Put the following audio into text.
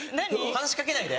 話し掛けないで。